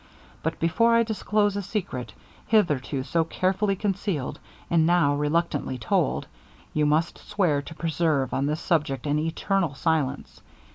But before I disclose a secret, hitherto so carefully concealed, and now reluctantly told, you must swear to preserve on this subject an eternal silence.